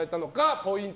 ポイント